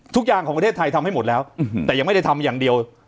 ของประเทศไทยทำให้หมดแล้วแต่ยังไม่ได้ทำอย่างเดียว